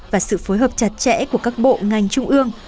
và sự phối hợp chặt chẽ của các bộ ngành trung ương